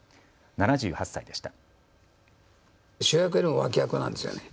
７８歳でした。